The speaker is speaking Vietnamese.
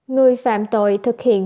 người phạm tội thực hiện